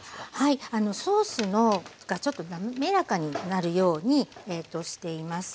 ソースがちょっと滑らかになるようにしています。